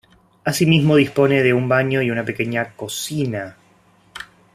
Asimismo dispone de un baño y una pequeña cocina.